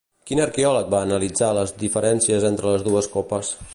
Quin arqueòleg va analitzar les diferències entre les dues copes?